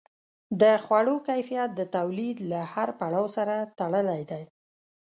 د خوړو کیفیت د تولید له هر پړاو سره تړلی دی.